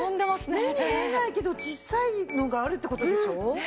目に見えないけど小さいのがあるって事でしょ？